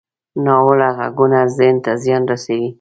ناوړه غږونه ذهن ته زیان رسوي